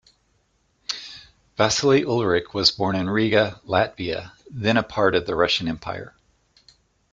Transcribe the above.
Vasili Ulrikh was born in Riga, Latvia, then a part of the Russian Empire.